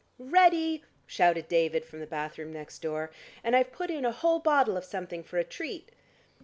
"Ready!" shouted David from the bathroom next door. "And I've put in a whole bottle of something for a treat."